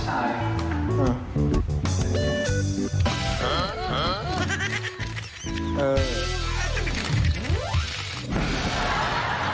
เออ